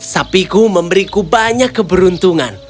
sapiku memberiku banyak keberuntungan